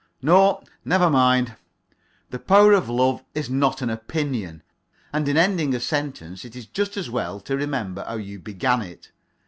No, never mind. The power of love is not an opinion; and in ending a sentence it is just as well to remember how you began it.